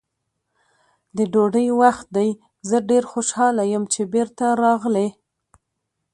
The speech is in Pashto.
د ډوډۍ وخت دی، زه ډېر خوشحاله یم چې بېرته راغلې.